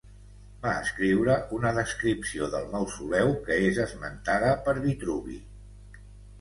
Va escriure una descripció del Mausoleu que és esmentada per Vitruvi.